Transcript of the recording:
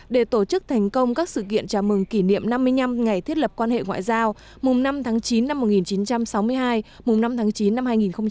để tổ chức thành công các sự kiện chào mừng kỷ niệm năm mươi năm ngày thiết lập quan hệ ngoại giao mùng năm tháng chín năm một nghìn chín trăm sáu mươi hai mùng năm tháng chín năm hai nghìn hai mươi